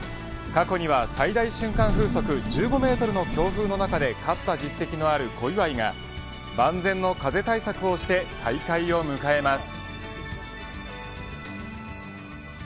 過去には最大瞬間風速１５メートルの強風の中で勝った実績のある小祝が万全の風対策をして大会を迎えます。